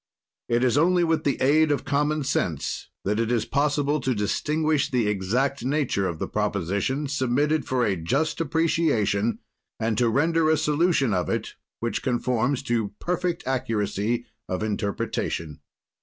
"It is only with the aid of common sense that it is possible to distinguish the exact nature of the proposition, submitted for a just appreciation, and to render a solution of it which conforms to perfect accuracy of interpretation.